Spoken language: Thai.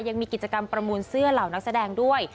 ยังมีกิจกรรมประมูลเสื้อเหล่านักแสดงด้วย